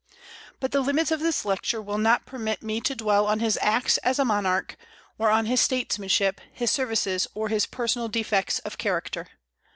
But the limits of this lecture will not permit me to dwell on his acts as a monarch, or on his statesmanship, his services, or his personal defects of character.